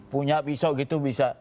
punya pisau gitu bisa